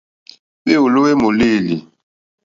Hwéwòló hwé mòlêlì.